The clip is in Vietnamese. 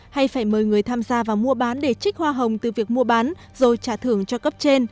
hay phải mời người tham gia vào mua bán để trích hoa hồng từ việc mua bán rồi trả thưởng cho cấp trên